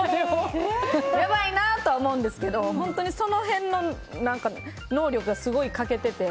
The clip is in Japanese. やばいなとは思うんですけどその辺の能力がすごい欠けていて。